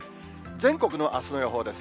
全国のあすの予報です。